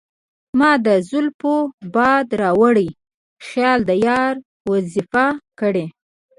مــــــا د زلفو باد راوړی خیــــــال د یار وظیفه کـــــړی